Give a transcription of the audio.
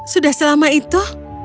sudah selama itu